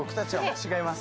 違います